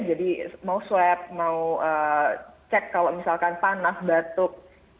jadi mau swab mau cek kalau misalkan panas batuk